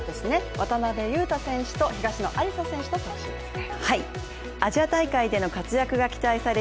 渡辺勇大選手と東野有紗選手の特集ですね。